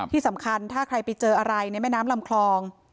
ที่สำคัญถ้าใครไปเจออะไรในแม่น้ำลำคลอง